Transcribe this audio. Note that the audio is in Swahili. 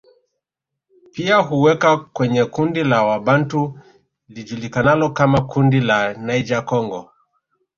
Pia huwekwa kwenye kundi la Wabantu lijulikanalo kama kundi la Niger Congo